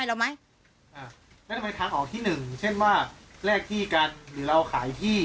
แล้วทำไมทางออกที่หนึ่งเช่นว่าแลกที่กันหรือเราขายที่